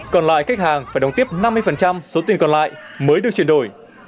còn lại khách hàng phải đóng tiếp năm mươi số tiền còn lại mới được chuyển đổi